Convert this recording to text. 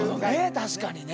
確かにね。